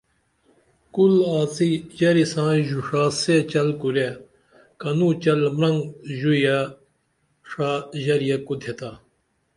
کُل آڅی ژری سائیں ژو ڜا سے چل کُرے کنو چل مرنگ ژویہ ڜا ژریے کوتِھے تا